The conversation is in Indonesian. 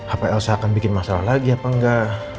apa elsa akan bikin masalah lagi apa enggak